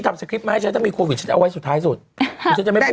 ทำสคริปต์มาให้ชั้นต้องมีโควิดเอาไว้สุดท้ายสุดจะไม่พูด